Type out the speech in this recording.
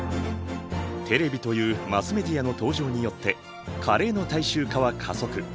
テレビというマスメディアの登場によってカレーの大衆化は加速。